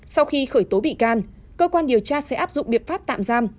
sau khi khởi tố bị can cơ quan điều tra sẽ áp dụng biện pháp tạm giam